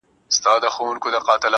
په ټوله کلي کي د دوو خبرو څوک نه لري_